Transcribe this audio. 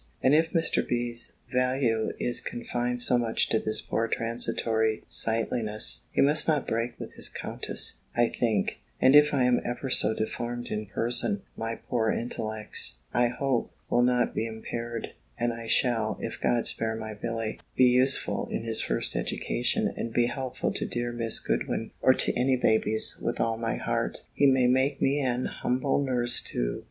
And if Mr. B.'s value is confined so much to this poor transitory sightliness, he must not break with his Countess, I think; and if I am ever so deformed in person, my poor intellects, I hope will not be impaired, and I shall, if God spare my Billy, be useful in his first education, and be helpful to dear Miss Goodwin or to any babies with all my heart he may make me an humble nurse too!